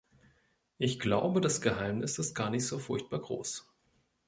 Ich glaube, das Geheimnis ist gar nicht so furchtbar groß.